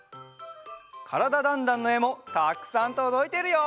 「からだ★ダンダン」のえもたくさんとどいてるよ！